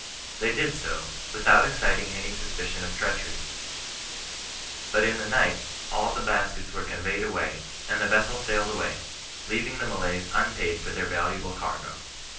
They did so, without exciting any suspicion of treachery. But in the nieht the baskets were all conveyed away, and the vessel saued away, leaving the Malays unpaid for their valuable cargo.